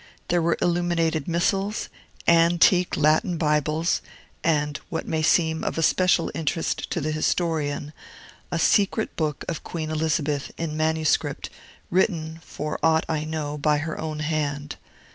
There were illuminated missals, antique Latin Bibles, and (what may seem of especial interest to the historian) a Secret Book of Queen Elizabeth, in manuscript, written, for aught I know, by her own hand.